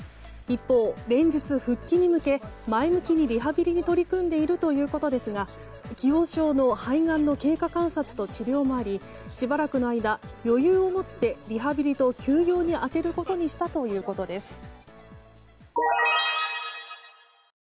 一方、連日復帰に向け前向きにリハビリに取り組んでいるということですが既往症の肺がんの経過観察と治療もありしばらくの間余裕を持って、リハビリと休養に充てることにしたということです。